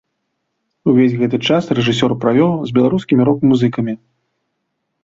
Увесь гэты час рэжысёр правёў з беларускімі рок-музыкамі.